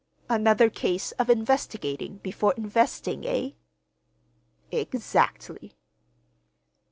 "Another case of investigating before investing, eh?" "Exactly."